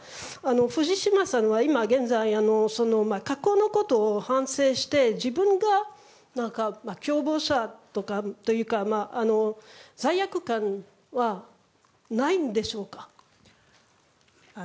藤島さんは今現在過去のことを反省して自分が共謀者というか罪悪感はないんでしょうか？